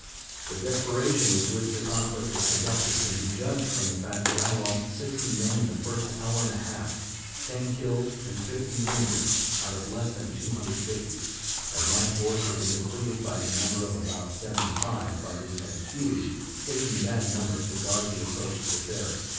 The desperation with which the conflict was conducted can be judged from the fact that I lost sixty men in the first hour and a half, ten killed and fifty wounded, out of less than 250, as my force had been depleted by the number of about seventy five by Lieutenant Huey taking that number to guard the approach to the ferry.